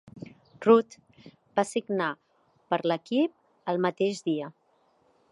Routt va signar per l'equip el mateix dia.